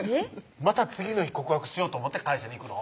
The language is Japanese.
また次の日告白しようと思って会社に行くの？